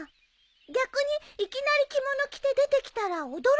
逆にいきなり着物着て出てきたら驚いちゃうかも。